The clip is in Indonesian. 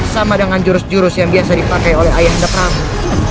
sama dengan jurus jurus yang biasa dipakai oleh ayahda prabu